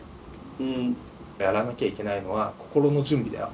うん。やらなきゃいけないのは心の準備だよ。